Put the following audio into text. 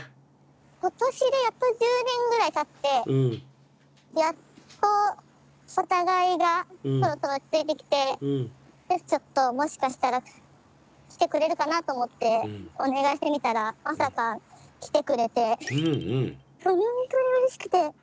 今年でやっと１０年ぐらいたってやっとお互いがそろそろ落ち着いてきてでちょっともしかしたら来てくれるかなと思ってお願いしてみたらまさか来てくれてほんとにうれしくて。